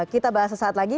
kita bahas sesaat lagi